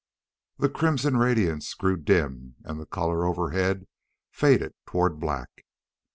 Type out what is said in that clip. The crimson radiance grew dim and the color overhead faded toward black.